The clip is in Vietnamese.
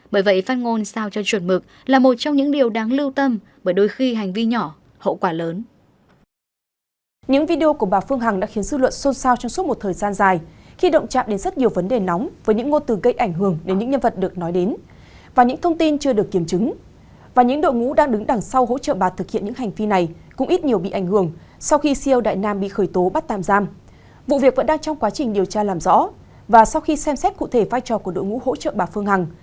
bởi vậy phát ngôn sao cho chuột mực là một trong những điều đáng lưu tâm bởi đôi khi hành vi nhỏ hậu quả lớn